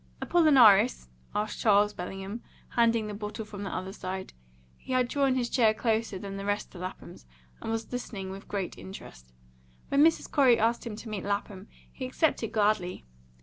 "Apollinaris?" asked Charles Bellingham, handing the bottle from the other side. He had drawn his chair closer than the rest to Lapham's, and was listening with great interest. When Mrs. Corey asked him to meet Lapham, he accepted gladly.